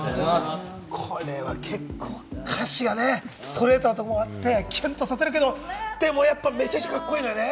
これは結構、歌詞がストレートなところもあってキュンとさせるけど、でもやっぱめちゃくちゃカッコいいのよね。